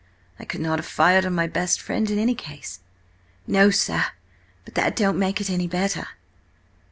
I could not have fired on my best friend in any case." "No, sir, but that don't make it any better."